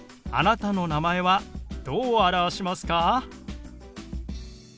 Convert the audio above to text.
あなたの名前はどう表しますか？